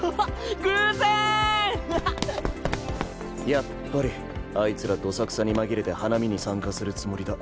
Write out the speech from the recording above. やっぱりあいつらどさくさに紛れて花見に参加するつもりだ。